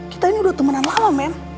kita ini udah temenan lama men